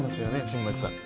新町さん